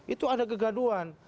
itu ada kegaduan